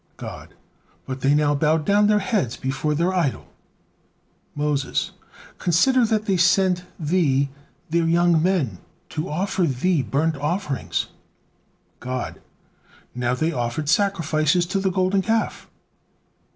God: "But they now bow down their heads before their idol." Moses: "Consider that they sent Thee their young men to offer Thee burnt offerings." God: "They now offered sacrifices to the Golden Calf."